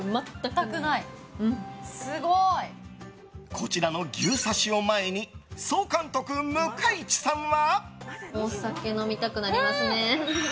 こちらの牛刺しを前に総監督・向井地さんは。